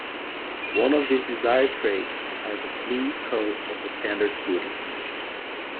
One of these desired traits are the fleece coat of the Standard Poodle.